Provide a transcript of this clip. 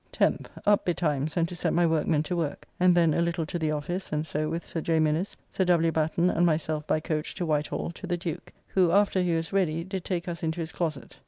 10th. Up betimes and to set my workmen to work, and then a little to the office, and so with Sir J. Minnes, Sir W. Batten, and myself by coach to White Hall, to the Duke, who, after he was ready, did take us into his closett.